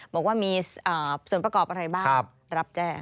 บอกว่ามีส่วนประกอบอะไรบ้างรับแจ้ง